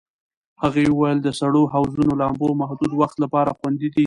هغې وویل د سړو حوضونو لامبو محدود وخت لپاره خوندي دی.